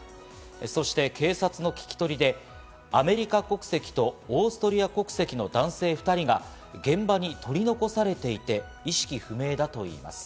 そして警察の聞き取りで、アメリカ国籍と、オーストリア国籍の男性２人が現場に取り残されていて、意識不明だといいます。